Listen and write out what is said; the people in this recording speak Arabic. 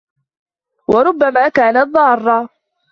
وَرُبَّمَا كَانَتْ ضَارَّةً